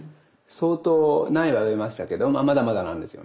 相当苗は植えましたけどまだまだなんですよね。